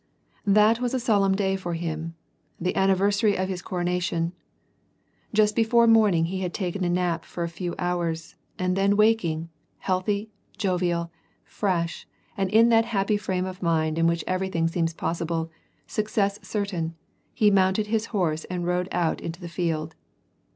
That was a solemn day for him, the anniversary of his coro nation. Just before morning he had taken a nap for a few hours, and then waking, healthy, jovial, fresh, and in that happy frame of mind in which everything seems possible, success certain, he mounted his horse and i*ode out into the field.